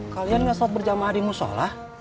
kalian gak selesai berjamaah di musyallah